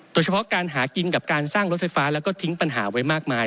โดยเฉพาะการหากินกับการสร้างรถไฟฟ้าแล้วก็ทิ้งปัญหาไว้มากมาย